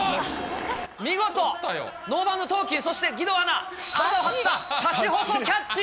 見事、ノーバウンド投球、そして義堂アナ、体を張ったシャチホコキャッチ。